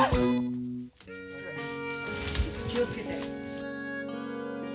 気を付けて。